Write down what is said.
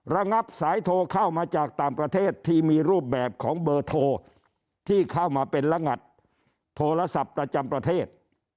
ระงับสายโทรเข้ามาจากต่างประเทศที่มีรูปแบบของเบอร์โทรที่เข้ามาเป็นระงัดโทรศัพท์ประจำประเทศ